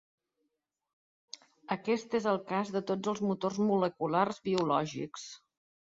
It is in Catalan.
Aquest és el cas de tots els motors moleculars biològics.